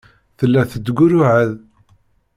Tella tettgurruɛ-d.